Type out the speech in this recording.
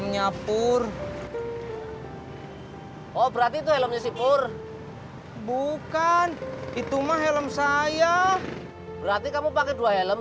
nyapur oh berarti itu helmnya sipur bukan itu mah helm saya berarti kamu pakai dua helm